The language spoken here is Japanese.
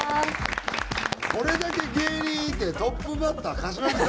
これだけ芸人いてトップバッター柏木さん？